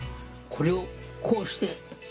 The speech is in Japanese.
これをこうして！